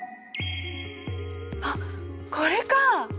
あっこれかあ！